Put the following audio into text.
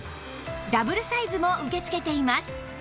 ダブルサイズも受け付けています